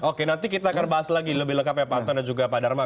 oke nanti kita akan bahas lagi lebih lengkap ya pak anton dan juga pak dharma